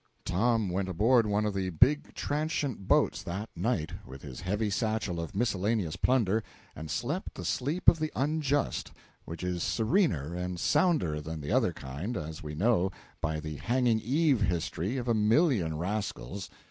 Tom went aboard one of the big transient boats that night with his heavy satchel of miscellaneous plunder, and slept the sleep of the unjust, which is serener and sounder than the other kind, as we know by the hanging eve history of a million rascals.